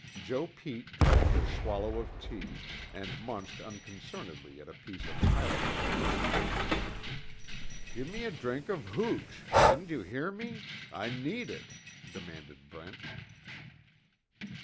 Joe Pete drank a swallow of tea, and munched unconcernedly at a piece of pilot bread. "Give me a drink of hooch! Didn't you hear me? I need it," demanded Brent.